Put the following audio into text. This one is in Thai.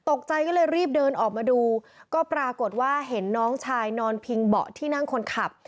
ตกใจก็เลยรีบเดินออกมาดูก็ปรากฏว่าเห็นน้องชายนอนพิงเบาะที่นั่งคนขับ